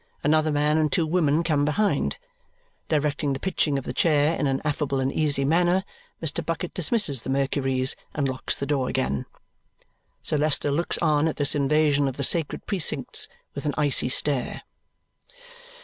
Another man and two women come behind. Directing the pitching of the chair in an affable and easy manner, Mr. Bucket dismisses the Mercuries and locks the door again. Sir Leicester looks on at this invasion of the sacred precincts with an icy stare.